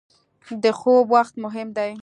• د خوب وخت مهم دی.